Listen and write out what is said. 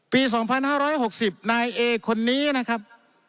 ปี๒๕๖๐นายเอคนนี้นะครับ